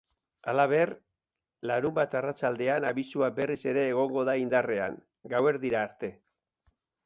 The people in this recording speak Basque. Halaber, larunbat arratsaldean abisua berriz ere egongo da indarrean, gauerdira arte.